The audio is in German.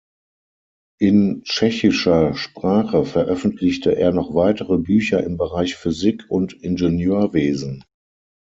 In tschechischer Sprache veröffentlichte er noch weitere Bücher im Bereich Physik und Ingenieurwesen.